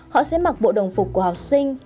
họ sẽ mặc bộ đồng phục của học sinh